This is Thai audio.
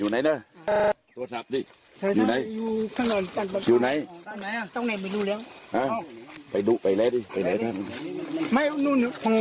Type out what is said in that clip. นั่นหองขึ้นมาดู